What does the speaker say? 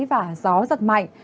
và gió giật mạnh